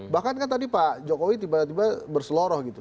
bahkan kan tadi pak jokowi tiba tiba berseloroh gitu